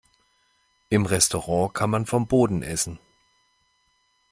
Im Restaurant kann man vom Boden essen.